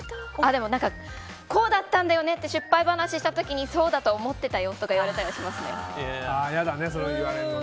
でも、こうだったんだよねって失敗話した時にそうだと思ってたよとか嫌だね、それ言われるの。